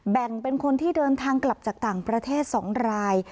แบ่งเป็นคนที่เดินทางกลับจากต่างประเทศ๒ราย